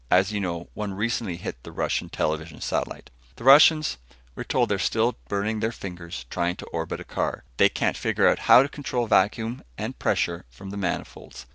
As you know, one recently hit the Russian television satellite. The Russians? We're told they're still burning their fingers trying to orbit a car. They can't figure how to control vacuum and pressure from the manifolds.